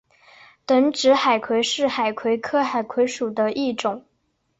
等指海葵是海葵科海葵属的一种。